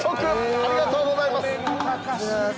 ありがとうございます。